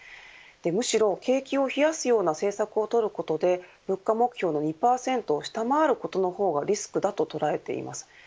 むしろ景気を冷やすような政策をとることで物価目標の２％を下回ることの方がリスクだと捉えています。